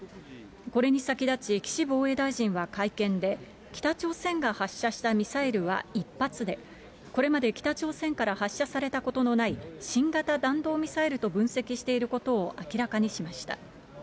これに先立ち、岸防衛大臣は会見で、北朝鮮が発射したミサイルは１発で、これまで北朝鮮から発射されたことのない、新型弾道ミサイルと分析していることを明らかにしました。